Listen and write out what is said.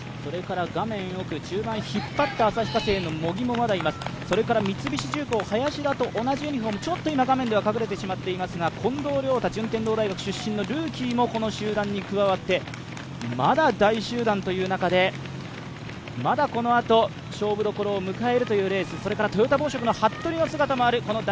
画面奥、中盤引っ張った旭化成の茂木もまだいます、三菱重工の林田と同じユニフォームちょっと今、画面では隠れてしまっていますが、近藤亮太、順天堂大学出身のルーキーもこの集団に加わってまだ大集団という中でまだこのあと勝負どころを迎えるというレーストヨタ紡織の服部の姿もある。